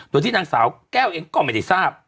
โดยที่นางสาวแก้วเองก็ไม่ได้ทราบ